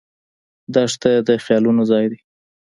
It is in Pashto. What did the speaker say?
دښته د خیالونو ځای دی.